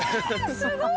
すごい。